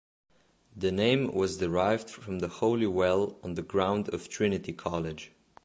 The name was derived from the holy well on the ground of Trinity College.